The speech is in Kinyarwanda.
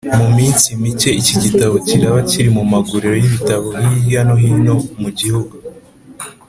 Mu minsi mike iki gitabo kiraba kiri mu maguriro y’ibitabo hirya no hino mu gihugu